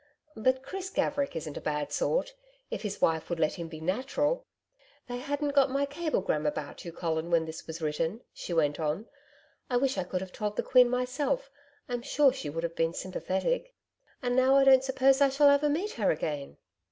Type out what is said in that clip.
But Chris Gaverick isn't a bad sort, if his wife would let him be natural.... They hadn't got my cablegram about you, Colin, when this was written,' she went on. 'I wish I could have told the Queen myself. I'm sure she would have been sympathetic. And now I don't suppose I shall ever meet her again.'